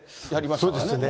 そうですね。